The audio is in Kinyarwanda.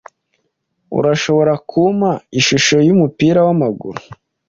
Urashobora kumpa ishusho yumupira wamaguru?